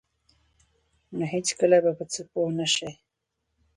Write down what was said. نو هیڅکله به په څه پوه نشئ.